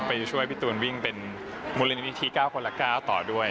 จะช่วยพี่ตูนวิ่งเป็นมูลนิธิ๙คนละ๙ต่อด้วย